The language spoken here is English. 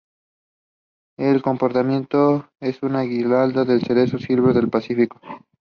Bravo finds no enemy forces.